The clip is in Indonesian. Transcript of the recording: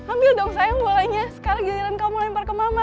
ambil dong saya bolanya sekarang giliran kamu lempar ke mama